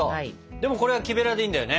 でもこれは木べらでいいんだよね。